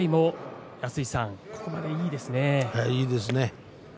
いいですね。